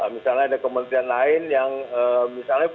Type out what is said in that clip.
misalnya ada kementerian lain yang misalnya